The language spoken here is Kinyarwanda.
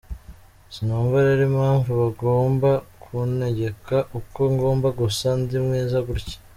Sinumva rero impamvu bagomba kuntegeka uko ngomba gusa, ndi mwiza gutya ».